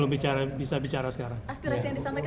makasih mas makasih